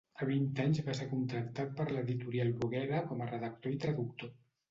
A vint anys va ser contractat per l'editorial Bruguera com a redactor i traductor.